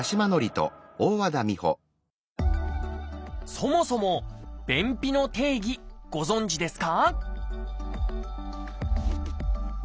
そもそも便秘の定義ご存じですか？